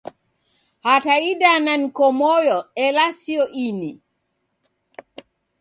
Hata idana nko moyo ela sio ini.